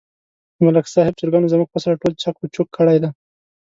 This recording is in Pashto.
د ملک صاحب چرگانو زموږ فصل ټول چک چوک کړی دی.